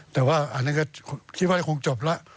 แต่ว่าอันนั้นก็คิดว่าคงจบแล้ว